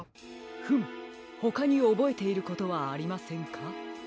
フムほかにおぼえていることはありませんか？